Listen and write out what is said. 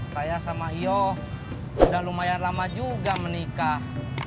saya sama yoh udah lumayan lama juga menikah